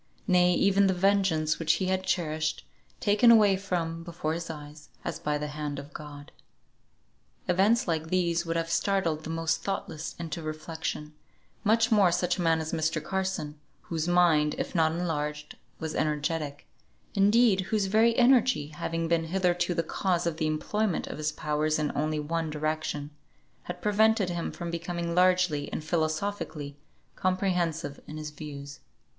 Nay, even the vengeance which he had proposed to himself as an aim for exertion, had been taken away from before his eyes, as by the hand of God. Events like these would have startled the most thoughtless into reflection, much more such a man as Mr. Carson, whose mind, if not enlarged, was energetic; indeed, whose very energy, having been hitherto the cause of the employment of his powers in only one direction, had prevented him from becoming largely and philosophically comprehensive in his views.